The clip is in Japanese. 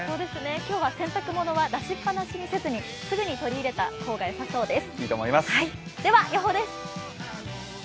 今日は洗濯物は出しっぱなしにせずにすぐに取り入れた方がよさそうです。